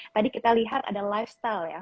tadi kita lihat ada lifestyle ya